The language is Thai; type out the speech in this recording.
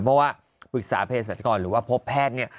เพราะว่าปรึกษาเพศรัชกรหรือว่าพบแพทย์เนี่ย